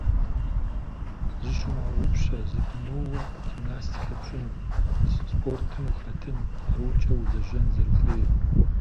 Зыщумыгъэгъупщэ зэпымыууэ гимнастикэ пщӀын, спортым ухэтын, къарукӀэ улэжьэн зэрыхуейр.